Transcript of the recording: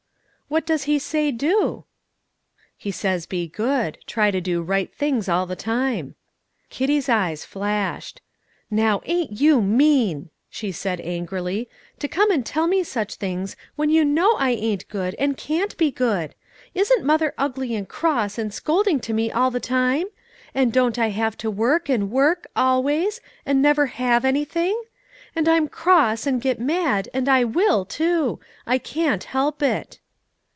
"What does He say do?" "He says be good; try to do right things all the time." Kitty's eyes flashed. "Now, ain't you mean," she said angrily, "to come and tell me such things, when you know I ain't good, and can't be good? Isn't mother ugly and cross and scolding to me all the time? and don't I have to work and work, always, and never have anything? And I'm cross and get mad, and I will, too. I can't help it."